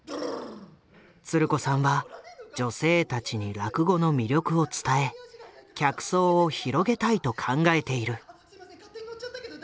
つる子さんは女性たちに落語の魅力を伝え客層を広げたいと考えている。